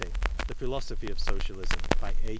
The Piiilosopliy of Socialism. By A.